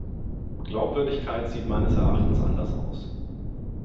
Glaubwürdigkeit sieht meines Erachtens anders aus.